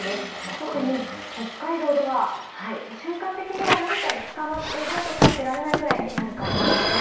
特に、北海道では瞬間的には何かにつかまっていないと立っていられないくらいになるかもしれません。